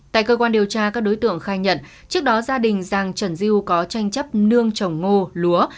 tại cơ quan điều tra các đối tượng khai nhận trước đó gia đình giàng trần diêu có tranh chấp nương trồng ngô lúa